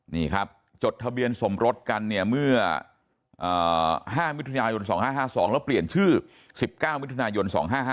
นี่ครับจดทะเบียนสมรสกันเนี่ยเมื่อ๕มิถุนายน๒๕๕๒แล้วเปลี่ยนชื่อ๑๙มิถุนายน๒๕๕